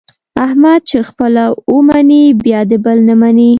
احمد چې خپله و مني بیا د بل نه مني.